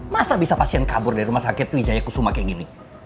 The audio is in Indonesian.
masa bisa pasien kabur dari rumah sakit wijaya kusuma kayak gini